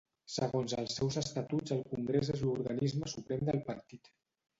Segons els seus estatuts el Congrés és l'organisme suprem del Partit.